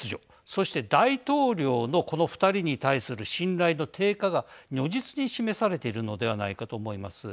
そして、大統領のこの２人に対する信頼の低下が如実に示されているのではないかと思います。